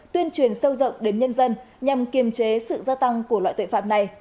tuyên truyền sâu rộng đến nhân dân nhằm kiềm chế sự gia tăng của loại tội phạm này